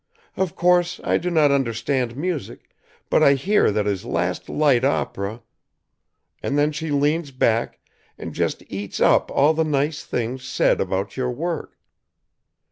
Of course, I do not understand music, but I hear that his last light opera ' And then she leans back and just eats up all the nice things said about your work.